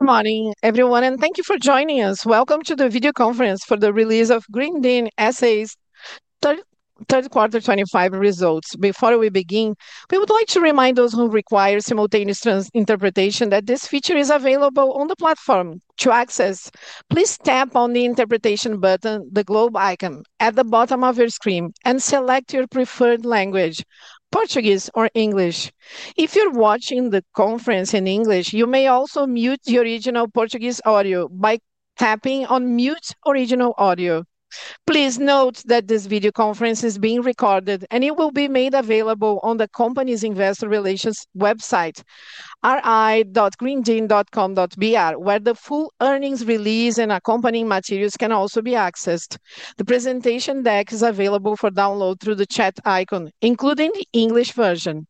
Good morning, everyone, and thank you for joining us. Welcome to the video conference for the release of Grendene S/A's third quarter 2025 results. Before we begin, we would like to remind those who require simultaneous interpretation that this feature is available on the platform. To access, please tap on the Interpretation button, the globe icon at the bottom of your screen, and select your preferred language: Portuguese or English. If you're watching the conference in English, you may also mute the original Portuguese audio by tapping on Mute Original Audio. Please note that this video conference is being recorded, and it will be made available on the company's Investor Relations website, ri.grendene.com.br, where the full earnings release and accompanying materials can also be accessed. The presentation deck is available for download through the chat icon, including the English version.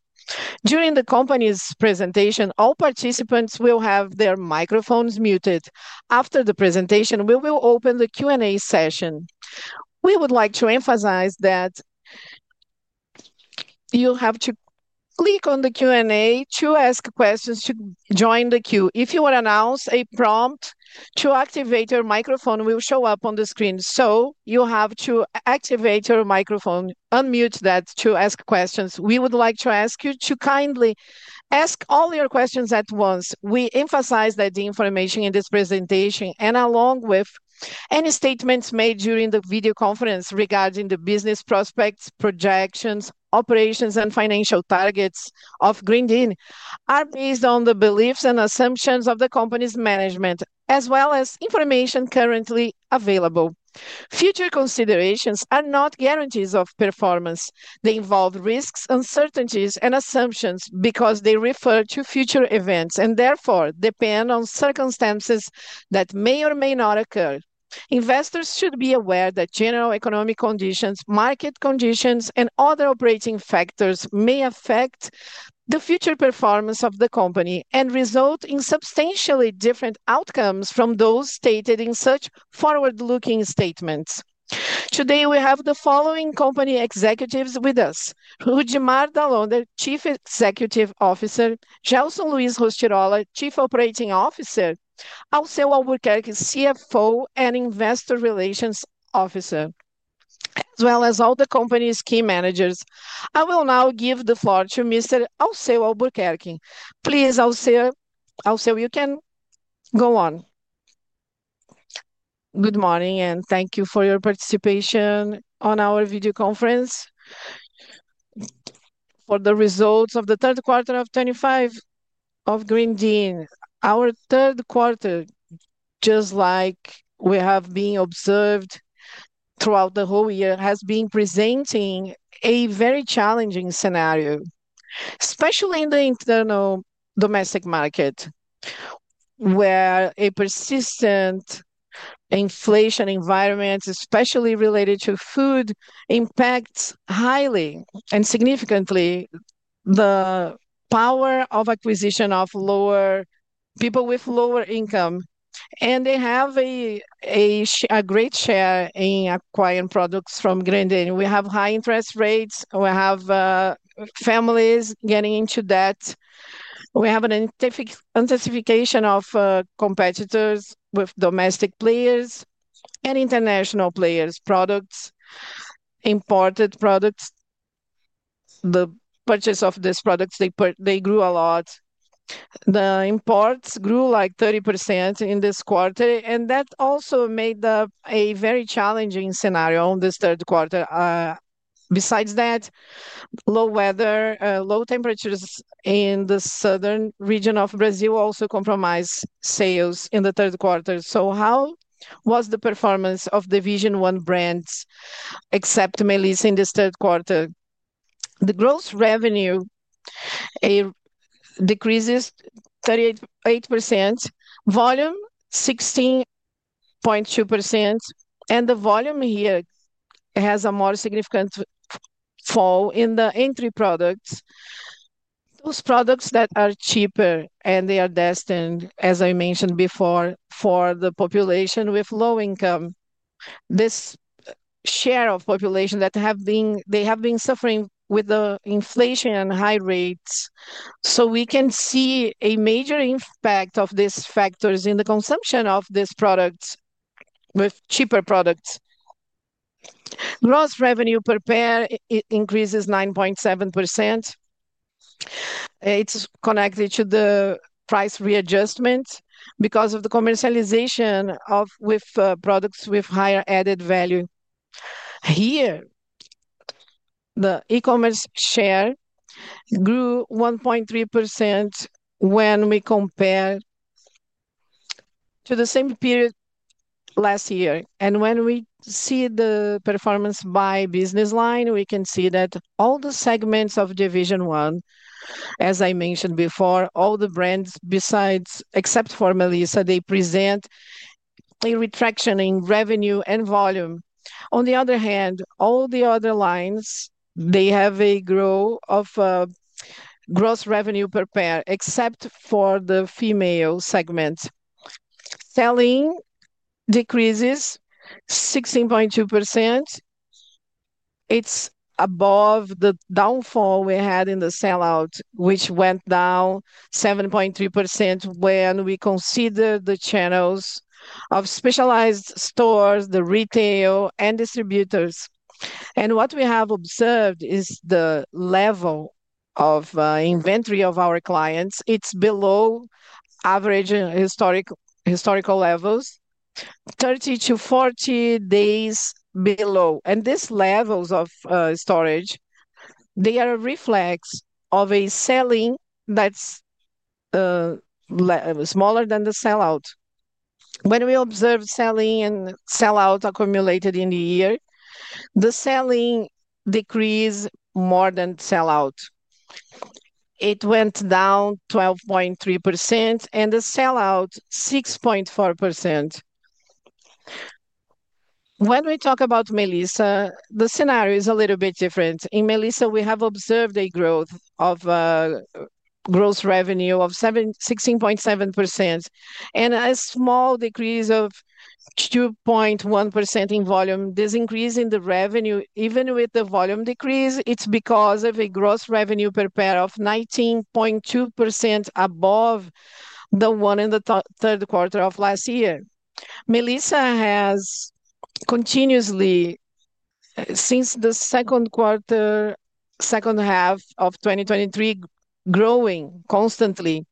During the company's presentation, all participants will have their microphones muted. After the presentation, we will open the Q&A session. We would like to emphasize that you'll have to click on the Q&A to ask questions to join the queue. If you are announced a prompt to activate your microphone, it will show up on the screen, so you have to activate your microphone, unmute that to ask questions. We would like to ask you to kindly ask all your questions at once. We emphasize that the information in this presentation, and along with any statements made during the video conference regarding the business prospects, projections, operations, and financial targets of Grendene, are based on the beliefs and assumptions of the company's management, as well as information currently available. Future considerations are not guarantees of performance. They involve risks, uncertainties, and assumptions because they refer to future events and therefore depend on circumstances that may or may not occur. Investors should be aware that general economic conditions, market conditions, and other operating factors may affect the future performance of the company and result in substantially different outcomes from those stated in such forward-looking statements. Today, we have the following company executives with us: Rudimar Dall'Onder, the Chief Executive Officer; Gelson Luis Rostirolla, Chief Operating Officer; Alceu Albuquerque, CFO and Investor Relations Officer, as well as all the company's key managers. I will now give the floor to Mr. Alceu Albuquerque. Please, Alceu, you can go on. Good morning, and thank you for your participation on our video conference for the results of the third quarter of 2025 of Grendene. Our third quarter, just like we have been observed throughout the whole year, has been presenting a very challenging scenario, especially in the internal domestic market, where a persistent inflation environment, especially related to food, impacts highly and significantly the power of acquisition of people with lower income. And they have a great share in acquiring products from Grendene. We have high interest rates. We have families getting into debt. We have an intensification of competitors with domestic players and international players, products, imported products. The purchase of these products, they grew a lot. The imports grew like 30% in this quarter, and that also made a very challenging scenario this third quarter. Besides that, low weather, low temperatures in the southern region of Brazil also compromised sales in the third quarter. So how was the performance of Division One brands, except Melissa, in this third quarter? The gross revenue decreases 38%, volume 16.2%, and the volume here has a more significant fall in the entry products, those products that are cheaper and they are destined, as I mentioned before, for the population with low income. This share of population that have been suffering with the inflation and high rates. So we can see a major impact of these factors in the consumption of these products with cheaper products. Gross revenue per pair increases 9.7%. It's connected to the price readjustment because of the commercialization of products with higher added value. Here, the e-commerce share grew 1.3% when we compare to the same period last year. When we see the performance by business line, we can see that all the segments of Division One, as I mentioned before, all the brands, except for Melissa, they present a retraction in revenue and volume. On the other hand, all the other lines, they have a growth of gross revenue per pair, except for the female segment. Selling decreases 16.2%. It is above the downfall we had in the sellout, which went down 7.3% when we consider the channels of specialized stores, the retail, and distributors. What we have observed is the level of inventory of our clients. It is below average historical levels, 30 to 40 days below. These levels of storage, they are a reflex of a selling that is smaller than the sellout. When we observe selling and sellout accumulated in the year, the selling decreased more than sellout. It went down 12.3%, and the sellout 6.4%. When we talk about Melissa, the scenario is a little bit different. In Melissa, we have observed a growth of gross revenue of 16.7% and a small decrease of 2.1% in volume. This increase in the revenue, even with the volume decrease, it's because of a gross revenue per pair of 19.2% above the one in the third quarter of last year. Melissa has continuously, since the second quarter of 2023, growing constantly.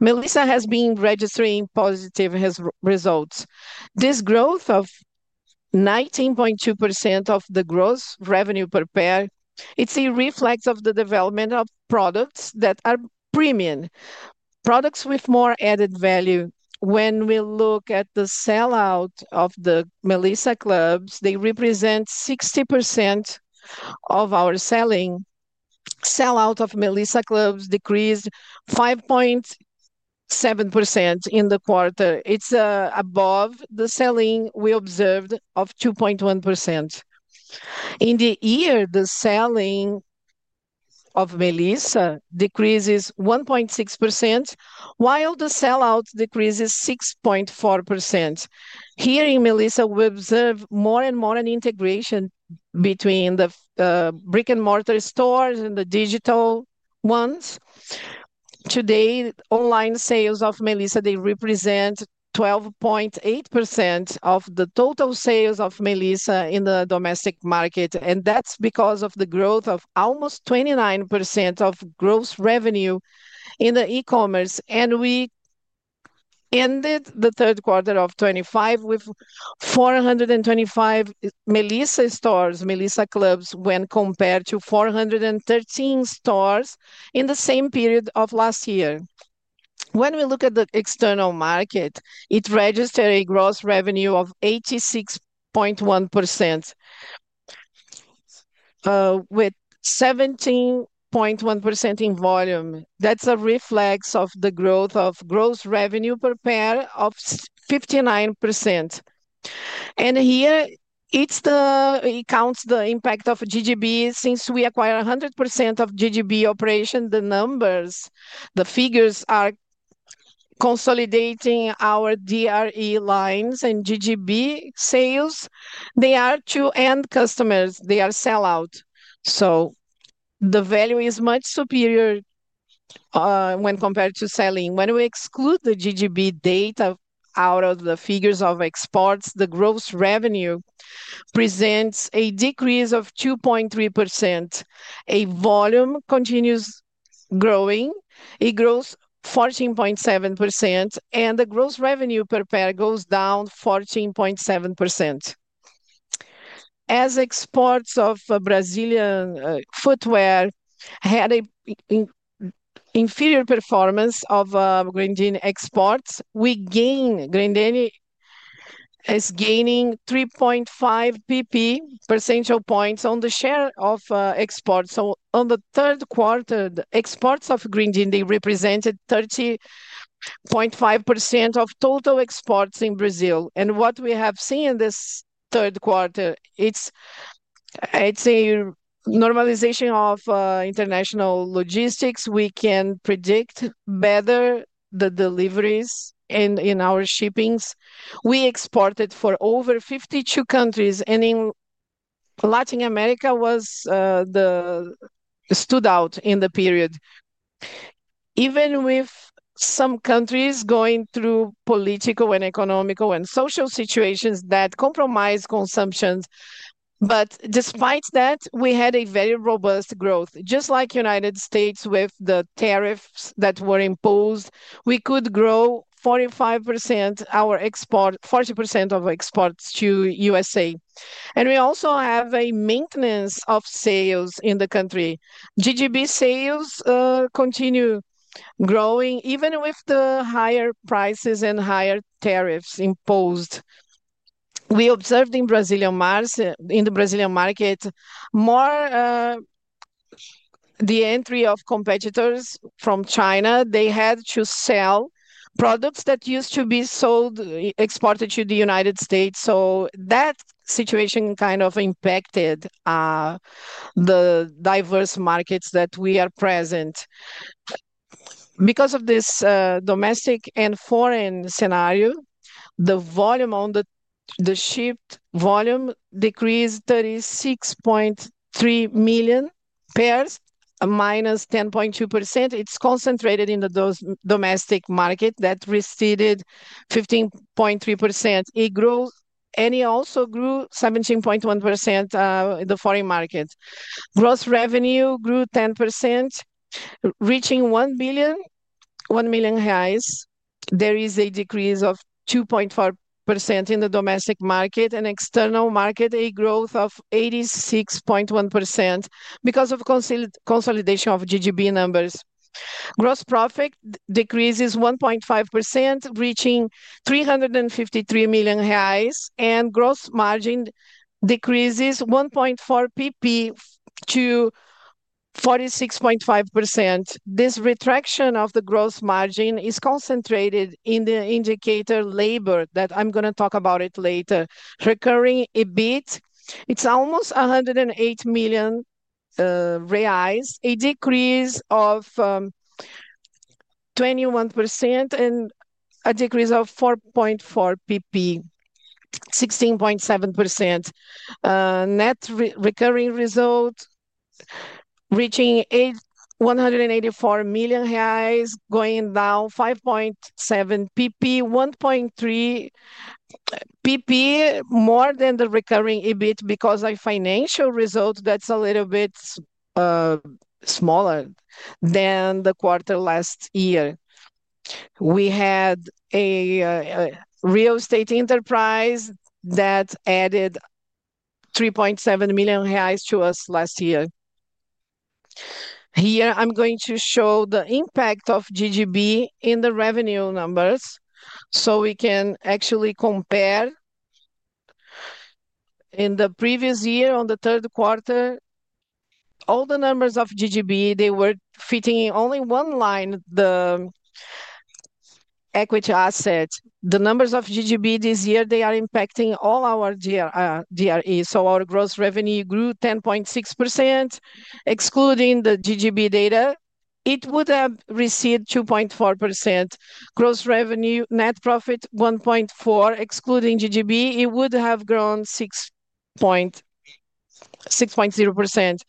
Melissa has been registering positive results. This growth of 19.2% of the gross revenue per pair, it's a reflex of the development of products that are premium, products with more added value. When we look at the sellout of the Melissa Clubs, they represent 60% of our selling. Sellout of Melissa Clubs decreased 5.7% in the quarter. It's above the selling we observed of 2.1%. In the year, the selling of Melissa decreases 1.6%, while the sellout decreases 6.4%. Here in Melissa, we observe more and more integration between the brick-and-mortar stores and the digital ones. Today, online sales of Melissa, they represent 12.8% of the total sales of Melissa in the domestic market. That is because of the growth of almost 29% of gross revenue in the e-commerce. We ended the third quarter of 2025 with 425 Melissa stores, Melissa Clubs, when compared to 413 stores in the same period of last year. When we look at the external market, it registered a gross revenue of 86.1% with 17.1% in volume. That is a reflex of the growth of gross revenue per pair of 59%. Here, it counts the impact of GGB since we acquire 100% of GGB operation. The numbers, the figures are consolidating our DRE lines and GGB sales. They are to end customers. They are sellout. The value is much superior when compared to selling. When we exclude the GGB data out of the figures of exports, the gross revenue presents a decrease of 2.3%. A volume continues growing. It grows 14.7%, and the gross revenue per pair goes down 14.7%. As exports of Brazilian footwear had an inferior performance of Grendene exports, we gained Grendene is gaining 3.5 percentage points on the share of exports. On the third quarter, the exports of Grendene, they represented 30.5% of total exports in Brazil. What we have seen in this third quarter, it's a normalization of international logistics. We can predict better the deliveries in our shippings. We exported for over 52 countries, and in Latin America, stood out in the period, even with some countries going through political and economical and social situations that compromised consumption. Despite that, we had a very robust growth, just like the United States with the tariffs that were imposed. We could grow 45% of our exports, 40% of exports to the U.S.. We also have a maintenance of sales in the country. GGB sales continue growing, even with the higher prices and higher tariffs imposed. We observed in the Brazilian market more the entry of competitors from China. They had to sell products that used to be sold, exported to the United States. That situation kind of impacted the diverse markets that we are present. Because of this domestic and foreign scenario, the volume on the shipped volume decreased to 36.3 million pairs, minus 10.2%. It is concentrated in the domestic market that receded 15.3%. It also grew 17.1% in the foreign market. Gross revenue grew 10%, reaching 1 billion reais. There is a decrease of 2.4% in the domestic market and external market, a growth of 86.1% because of consolidation of GGB numbers. Gross profit decreases 1.5%, reaching 353 million reais, and gross margin decreases 1.4 percentage points to 46.5%. This retraction of the gross margin is concentrated in the indicator labor that I'm going to talk about later, recurring EBIT. It's almost 108 million reais, a decrease of 21% and a decrease of 4.4 percentage points, 16.7%. Net recurring result reaching 184 million reais, going down 5.7 percentage points, 1.3 percentage points more than the recurring EBIT because of financial result that's a little bit smaller than the Q3 last year. We had a real estate enterprise that added 3.7 million reais to us last year. Here, I'm going to show the impact of GGB in the revenue numbers so we can actually compare. In the previous year, on the third quarter, all the numbers of GGB, they were fitting in only one line, the equity asset. The numbers of GGB this year, they are impacting all our DRE. So our gross revenue grew 10.6%. Excluding the GGB data, it would have receded 2.4%. Gross revenue, net profit 1.4%, excluding GGB, it would have grown 6.0%. COGS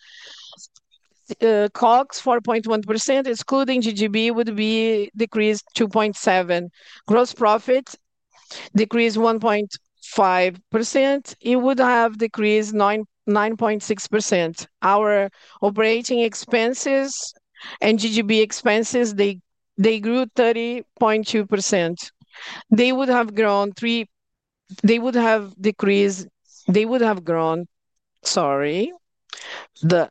4.1%, excluding GGB, would be decreased 2.7%. Gross profit decreased 1.5%. It would have decreased 9.6%. Our operating expenses and GGB expenses, they grew 30.2%. They would have grown 3. They would have decreased. They would have grown, sorry. The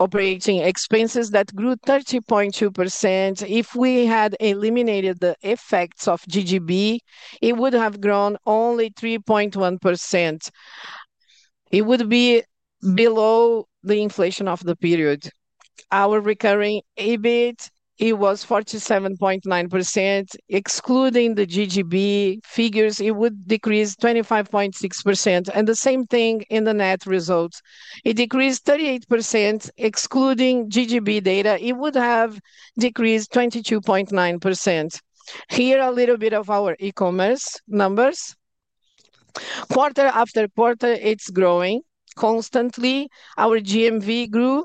operating expenses that grew 30.2%, if we had eliminated the effects of GGB, it would have grown only 3.1%. It would be below the inflation of the period. Our recurring EBITDA, it was 47.9%. Excluding the GGB figures, it would decrease 25.6%. The same thing in the net result. It decreased 38%. Excluding GGB data, it would have decreased 22.9%. Here, a little bit of our e-commerce numbers. Quarter after quarter, it is growing constantly. Our GMV grew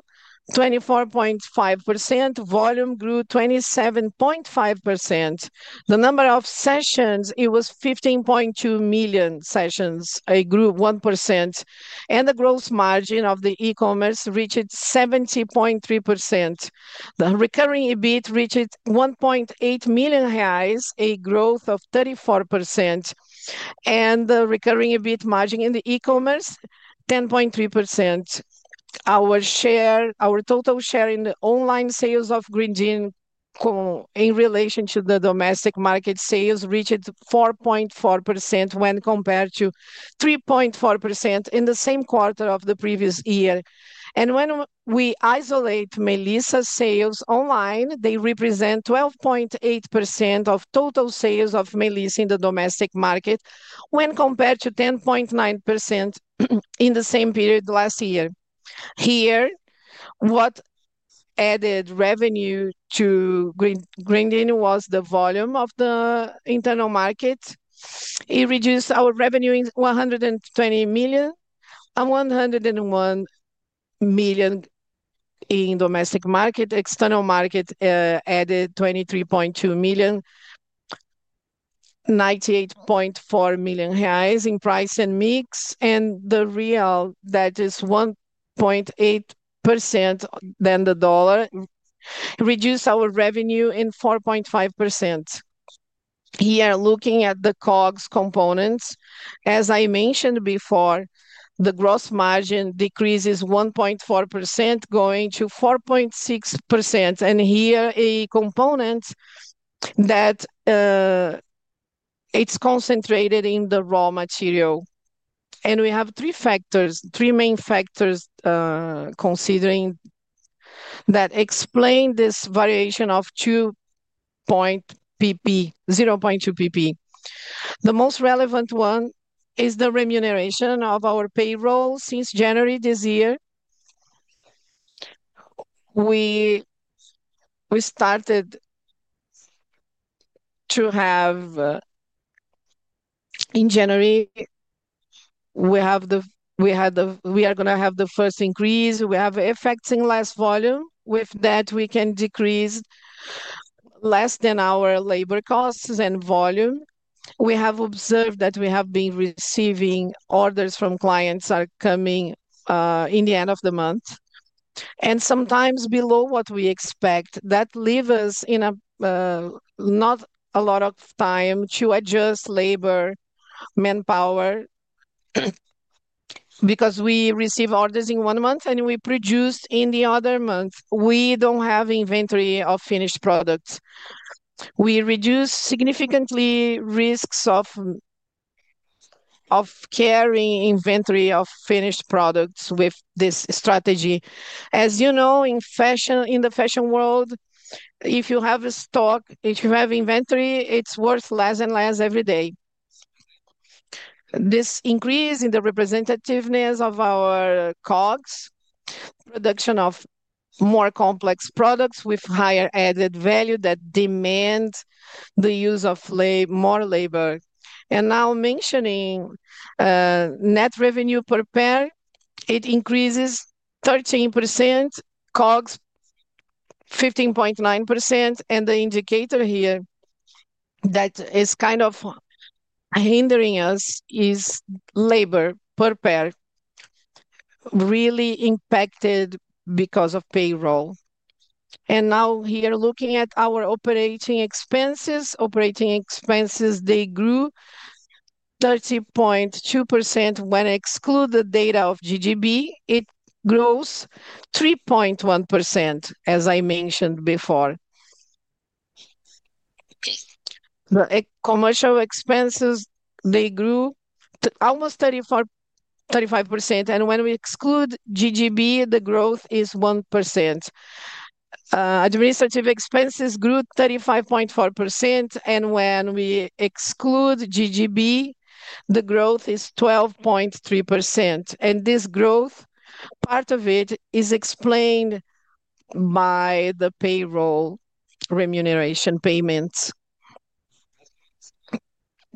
24.5%. Volume grew 27.5%. The number of sessions, it was 15.2 million sessions, grew 1%. The gross margin of the e-commerce reached 70.3%. The recurring EBITDA reached 1.8 million reais, a growth of 34%. The recurring EBITDA margin in the e-commerce, 10.3%. Our share, our total share in the online sales of Grendene in relation to the domestic market sales reached 4.4% when compared to 3.4% in the same Q3 of the previous year. When we isolate Melissa's sales online, they represent 12.8% of total sales of Melissa in the domestic market when compared to 10.9% in the same period last year. Here, what added revenue to Grendene was the volume of the internal market. It reduced our revenue in 120 million and 101 million in domestic market. External market added 23.2 million, 98.4 million reais in price and mix. The Real, that is 1.8% than the dollar, reduced our revenue in 4.5%. Here, looking at the COGS components, as I mentioned before, the gross margin decreases 1.4%, going to 46%. A component that is concentrated in the raw material. We have three factors, three main factors considering that explain this variation of 2.0 percentage points. The most relevant one is the remuneration of our payroll since January this year. We started to have in January, we are going to have the first increase. We have effects in less volume. With that, we can decrease less than our labor costs and volume. We have observed that we have been receiving orders from clients are coming in the end of the month and sometimes below what we expect. That leaves us in not a lot of time to adjust labor, manpower, because we receive orders in one month and we produce in the other month. We do not have inventory of finished products. We reduce significantly risks of carrying inventory of finished products with this strategy. As you know, in the fashion world, if you have a stock, if you have inventory, it is worth less and less every day. This increase in the representativeness of our COGS, production of more complex products with higher added value that demand the use of more labor. Now mentioning net revenue per pair, it increases 13%, COGS 15.9%. The indicator here that is kind of hindering us is labor per pair, really impacted because of payroll. Now here, looking at our operating expenses, operating expenses, they grew 30.2%. When I exclude the data of GGB, it grows 3.1%, as I mentioned before. The commercial expenses, they grew almost 35%. When we exclude GGB, the growth is 1%. Administrative expenses grew 35.4%. When we exclude GGB, the growth is 12.3%. This growth, part of it is explained by the payroll remuneration payments.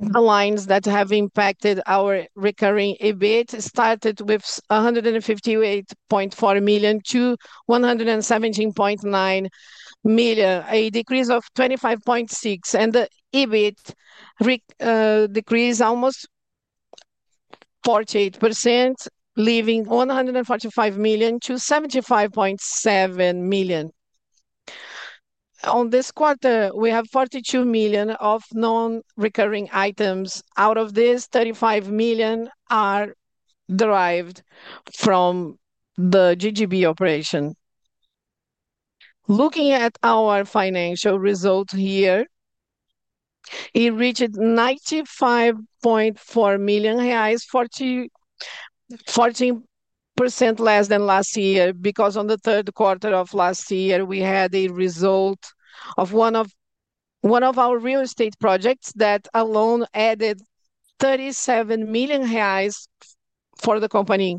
The lines that have impacted our recurring EBIT started with 158.4 million to 117.9 million, a decrease of 25.6%. The EBIT decreased almost 48%, leaving 145 million to 75.7 million. On this Q4, we have 42 million of non-recurring items. Out of this, 35 million are derived from the GGB operation. Looking at our financial result here, it reached 95.4 million reais, 40% less than last year because on the Q3 of last year, we had a result of one of our real estate projects that alone added 37 million reais for the company.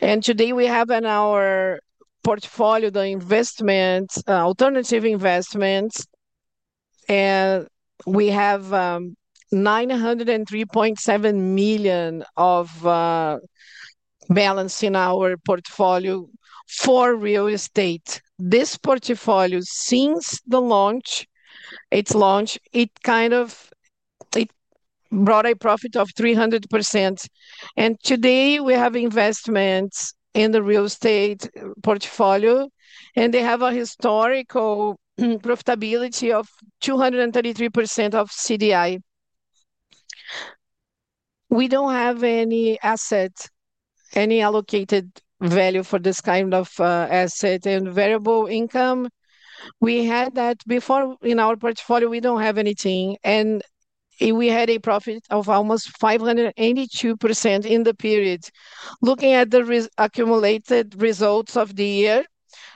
Today, we have in our portfolio the investment, alternative investments. We have 903.7 million of balance in our portfolio for real estate. This portfolio, since its launch, it kind of brought a profit of 300%. Today, we have investments in the real estate portfolio, and they have a historical profitability of 233% of CDI. We do not have any asset, any allocated value for this kind of asset and variable income. We had that before in our portfolio. We do not have anything. We had a profit of almost 582% in the period. Looking at the accumulated results of the year,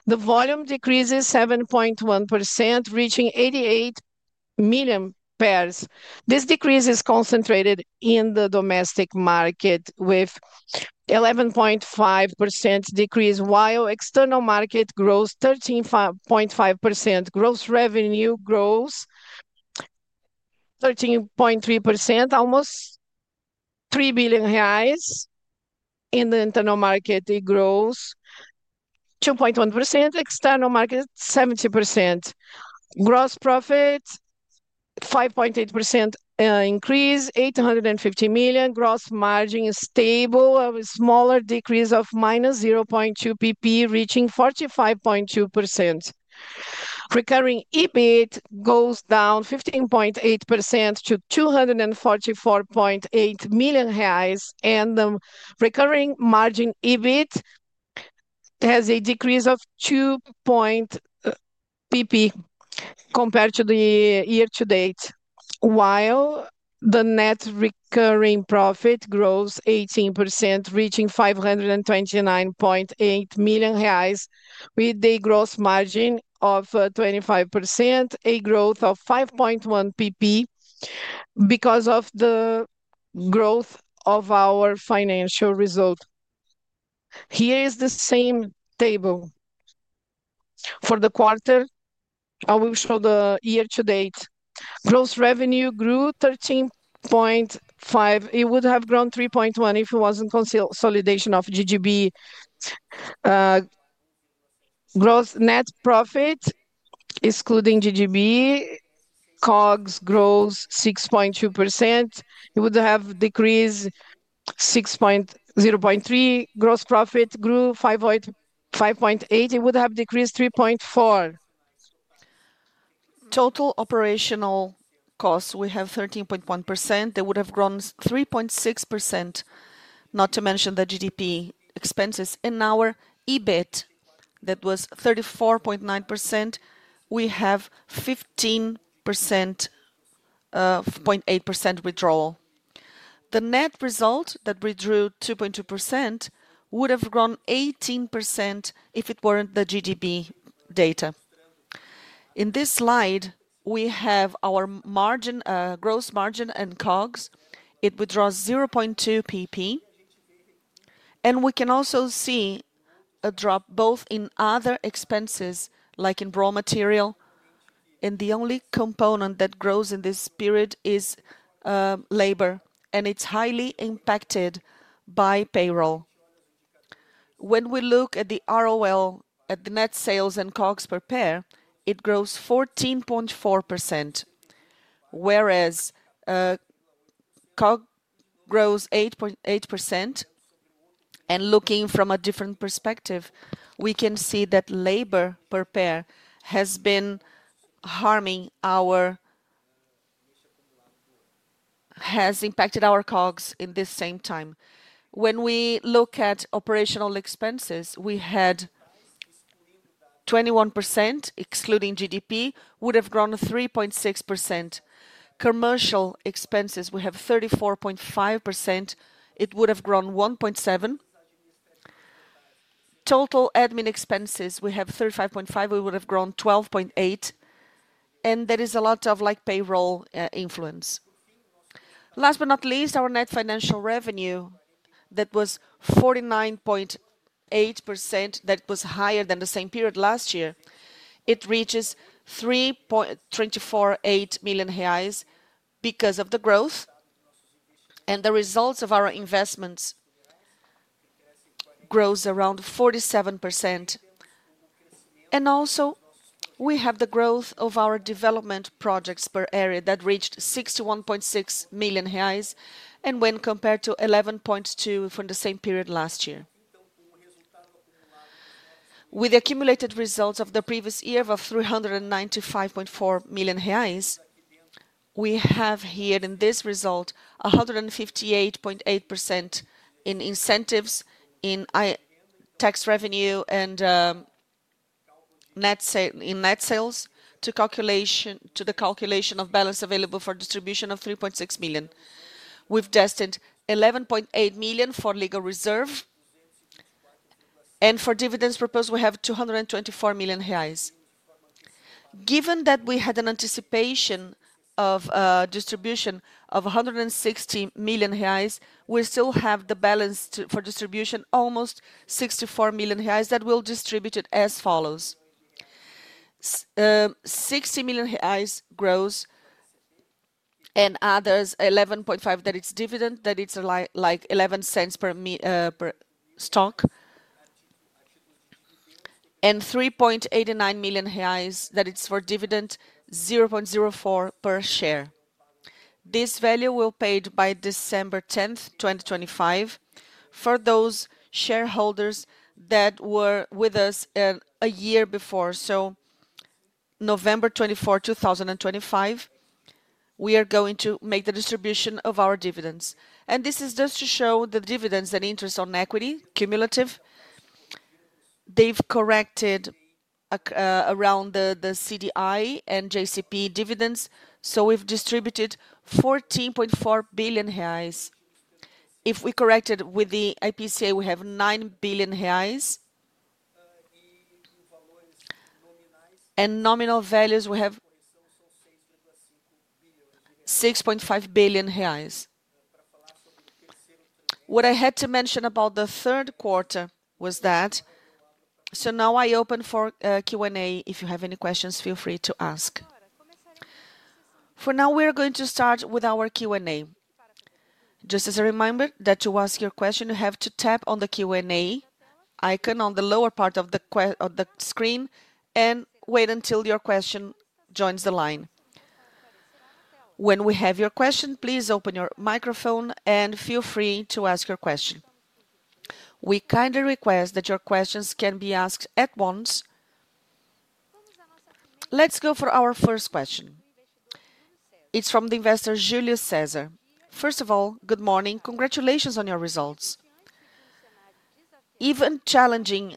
the volume decreases 7.1%, reaching 88 million pairs. This decrease is concentrated in the domestic market with 11.5% decrease, while external market grows 13.5%. Gross revenue grows 13.3%, almost 3 billion reais. In the internal market, it grows 2.1%. External market, 70%. Gross profit, 5.8% increase, 850 million. Gross margin is stable, a smaller decrease of minus 0.2 percentage points, reaching 45.2%. Recurring EBIT goes down 15.8% to 244.8 million reais. The recurring EBIT margin has a decrease of 2.0 percentage points compared to the year to date, while the net recurring profit grows 18%, reaching 529.8 million reais, with a net margin of 25%, a growth of 5.1 percentage points because of the growth of our financial result. Here is the same table. For the quarter, I will show the year to date. Gross revenue grew 13.5%. It would have grown 3.1% if it wasn't consolidation of GGB. Gross net profit, excluding GGB, COGS grows 6.2%. It would have decreased 6.0%. Gross profit grew 5.8%. It would have decreased 3.4%. Total operational costs, we have 13.1%. They would have grown 3.6%, not to mention the GDP expenses. In our EBIT, that was 34.9%. We have 15.8% withdrawal. The net result that we drew 2.2% would have grown 18% if it weren't the GDP data. In this slide, we have our margin, gross margin and COGS. It withdraws 0.2 percentage points. We can also see a drop both in other expenses, like in raw material. The only component that grows in this period is labor, and it's highly impacted by payroll. When we look at the ROL, at the net sales and COGS per pair, it grows 14.4%, whereas COGS grows 8%. Looking from a different perspective, we can see that labor per pair has been harming our, has impacted our COGS in this same time. When we look at operational expenses, we had 21%, excluding GGB, would have grown 3.6%. Commercial expenses, we have 34.5%. It would have grown 1.7%. Total admin expenses, we have 35.5%. It would have grown 12.8%. There is a lot of payroll influence. Last but not least, our net financial revenue, that was 49.8%, that was higher than the same period last year. It reaches 324.8 million reais because of the growth and the results of our investments. Grows around 47%. Also, we have the growth of our development projects per area that reached 61.6 million reais. When compared to 11.2 from the same period last year, with the accumulated results of the previous year of 395.4 million reais, we have here in this result 158.8% in incentives, in tax revenue, and net sales to the calculation of balance available for distribution of 3.6 million. We have destined 11.8 million for legal reserve. For dividends proposed, we have 224 million reais. Given that we had an anticipation of distribution of 160 million reais, we still have the balance for distribution, almost 64 million reais, that we will distribute as follows. 60 million reais gross and others 11.5 that is dividend, that is like 0.11 per stock. 3.89 million reais that is for dividend, 0.04 per share. This value will be paid by December 10, 2025, for those shareholders that were with us a year before. November 24, 2025, we are going to make the distribution of our dividends. This is just to show the dividends and interest on equity cumulative. They have corrected around the CDI and JCP dividends. We have distributed 14.4 billion reais. If we corrected with the IPCA, we have 9 billion reais. In nominal values, we have 6.5 billion reais. What I had to mention about the Q3 was that. Now I open for Q&A. If you have any questions, feel free to ask. For now, we are going to start with our Q&A. Just as a reminder, to ask your question, you have to tap on the Q&A icon on the lower part of the screen and wait until your question joins the line. When we have your question, please open your microphone and feel free to ask your question. We kindly request that your questions can be asked at once. Let's go for our first question. It is from the investor Julius Cesar. First of all, good morning. Congratulations on your results. Even challenging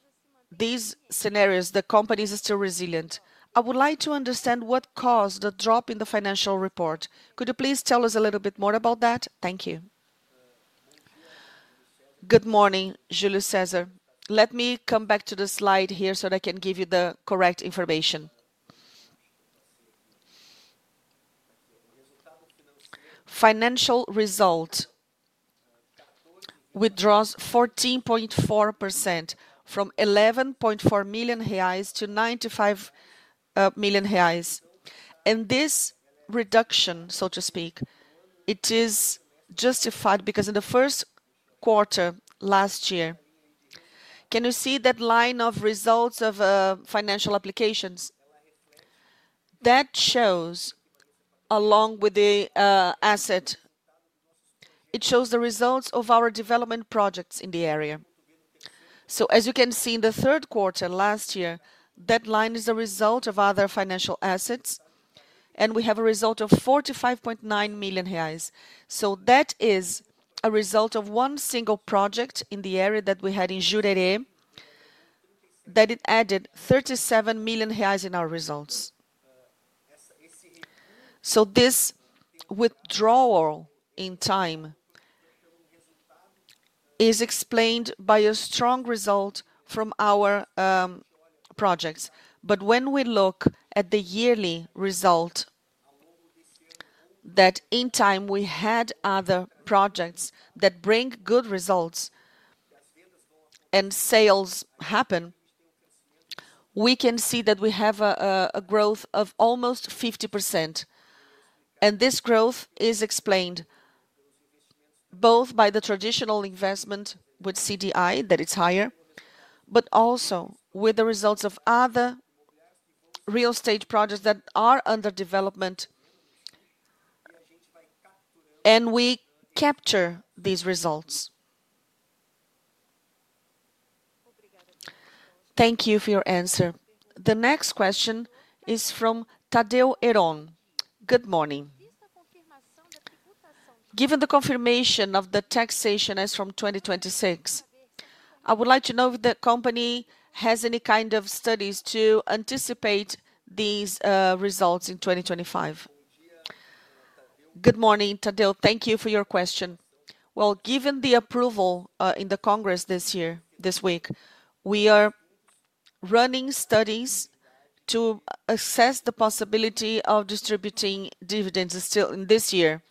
these scenarios, the company is still resilient. I would like to understand what caused the drop in the financial report. Could you please tell us a little bit more about that? Thank you. Good morning, Julius Cesar. Let me come back to the slide here so that I can give you the correct information. Financial result withdraws 14.4% from 11.4 million reais to 95 million reais. This reduction, so to speak, it is justified because in the first quarter last year, can you see that line of results of financial applications? That shows, along with the asset, it shows the results of our development projects in the area. As you can see in the third quarter last year, that line is the result of other financial assets. We have a result of 45.9 million reais. That is a result of one single project in the area that we had in Jurerê that added 37 million reais in our results. This withdrawal in time is explained by a strong result from our projects. When we look at the yearly result, in time we had other projects that bring good results and sales happen, we can see that we have a growth of almost 50%. This growth is explained both by the traditional investment with CDI that is higher, but also with the results of other real estate projects that are under development. We capture these results. Thank you for your answer. The next question is from Tadeu Heron. Good morning. Given the confirmation of the taxation as from 2026, I would like to know if the company has any kind of studies to anticipate these results in 2025. Good morning, Tadeu. Thank you for your question. Given the approval in the Congress this year, this week, we are running studies to assess the possibility of distributing dividends still in this year.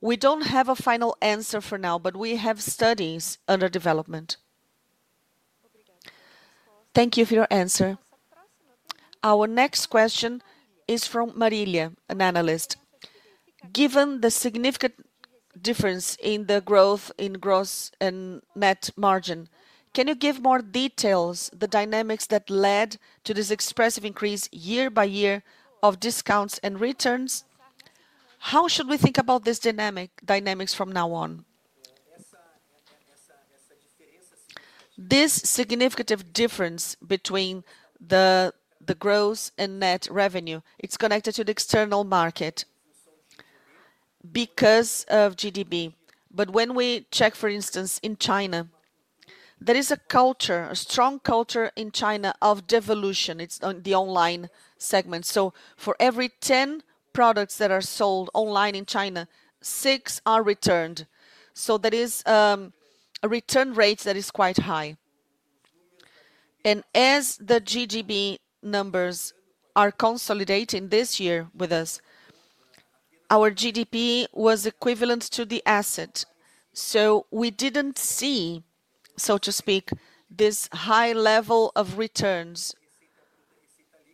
We do not have a final answer for now, but we have studies under development. Thank you for your answer. Our next question is from Marília, an analyst. Given the significant difference in the growth in gross and net margin, can you give more details of the dynamics that led to this expressive increase year by year of discounts and returns? How should we think about these dynamics from now on? This significant difference between the gross and net revenue, it is connected to the external market because of GGB. When we check, for instance, in China, there is a culture, a strong culture in China of devolution. It is the online segment. For every 10 products that are sold online in China, 6 are returned. That is a return rate that is quite high. As the GGB numbers are consolidating this year with us, our GGB was equivalent to the asset. We did not see, so to speak, this high level of returns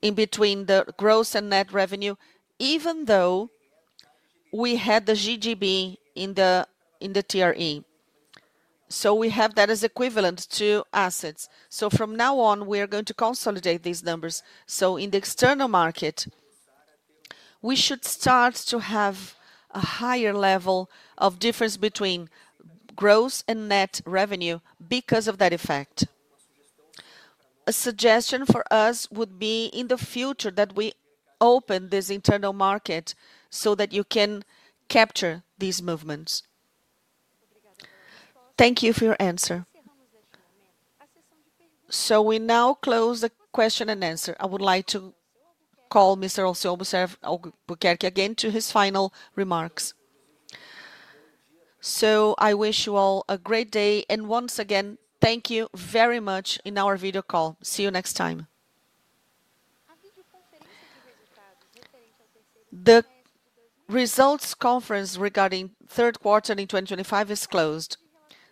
in between the gross and net revenue, even though we had the GGB in the TRE. We have that as equivalent to assets. From now on, we are going to consolidate these numbers. In the external market, we should start to have a higher level of difference between gross and net revenue because of that effect. A suggestion for us would be in the future that we open this internal market so that you can capture these movements. Thank you for your answer. We now close the question and answer. I would like to call Mr. Alceu Albuquerque again to his final remarks. I wish you all a great day. Once again, thank you very much in our video call. See you next time. The results conference regarding Q3 in 2025 is closed.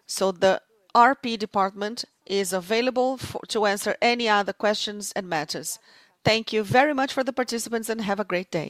The RP Department is available to answer any other questions and matters. Thank you very much for the participants and have a great day.